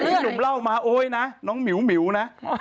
พี่หนุ่มเล่ามาโอ๊ยนะน้องหมิวนะ